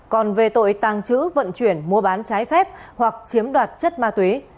còn về tội tàng trữ vận chuyển mua bán trái phép hoặc chiếm đoạt chất ma túy